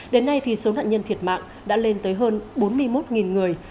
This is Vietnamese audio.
đến nay thì số nạn nhân thiệt mạng đã lên tới hơn bốn mươi một người